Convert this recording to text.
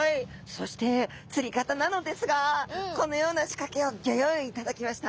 そして釣り方なのですがこのような仕掛けをギョ用意いただきました。